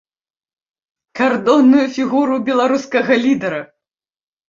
Кардонную фігуру беларускага лідара!